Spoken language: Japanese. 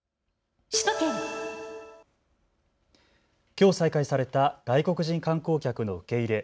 きょう再開された外国人観光客の受け入れ。